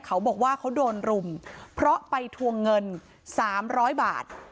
เขาบอกว่าเขาโดนรุมเพราะไปทวงเงิน๓๐๐บาท